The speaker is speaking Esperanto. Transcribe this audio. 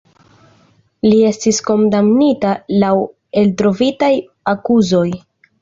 Li estis kondamnita laŭ eltrovitaj akuzoj.